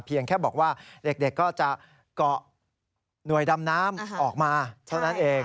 แค่บอกว่าเด็กก็จะเกาะหน่วยดำน้ำออกมาเท่านั้นเอง